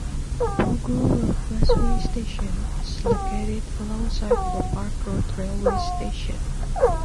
Boggo Road busway station is located alongside the Park Road railway station.